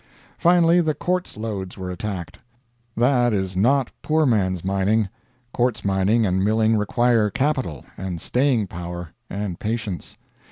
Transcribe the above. Finally the quartz lodes were attacked. That is not poor man's mining. Quartz mining and milling require capital, and staying power, and patience.